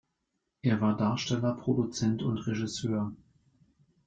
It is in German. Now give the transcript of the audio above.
Er war Darsteller, Produzent und Regisseur.